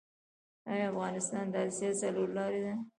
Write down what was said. آیا افغانستان د اسیا څلور لارې ده؟